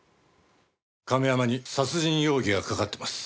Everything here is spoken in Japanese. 亀山に殺人容疑がかかっています。